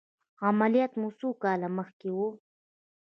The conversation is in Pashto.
عملیات مو څو کاله مخکې و؟